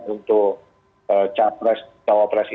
itu akan rp enam tiga ratus d survivors